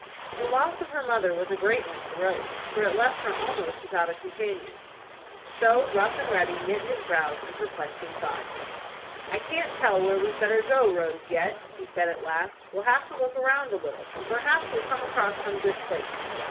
The loss of her mother was a great one to Rose, for it left her almost without a companion. So Rough and Ready knit his brows in perplexing thought. "I can't tell where we'd better go, Rose, yet," he said at last. "We'll have to look round a little, and perhaps we'll come across some good place."